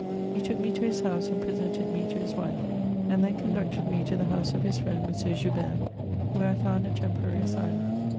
He took me to his house, and presented me to his wife, and then conducted me to the house of his friend, M. Joobert, where I found a temporary asylum.